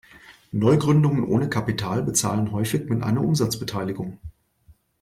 Neugründungen ohne Kapital bezahlen häufig mit einer Umsatzbeteiligung.